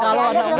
kalau anak muda